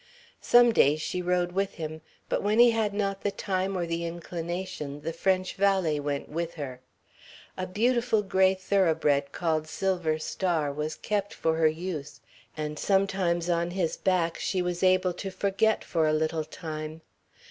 Some days she rode with him, but when he had not the time or the inclination, the French valet went with her. A beautiful grey thoroughbred called Silver Star was kept for her use, and sometimes on his back she was able to forget for a little time.